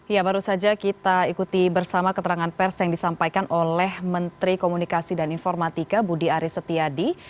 ya baru saja kita ikuti bersama keterangan pers yang disampaikan oleh menteri komunikasi dan informatika budi aris setiadi